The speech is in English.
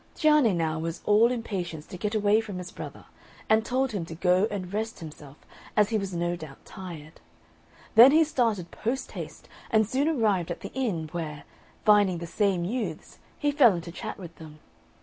Cianne was now all impatience to get away from his brother, and told him to go and rest himself, as he was no doubt tired; then he started post haste, and soon arrived at the inn, where, finding the same youths, he fell into chat with them.